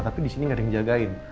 tapi disini gak ada yang jagain